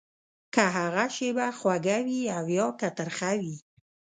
که هغه شېبه خوږه وي او يا که ترخه وي.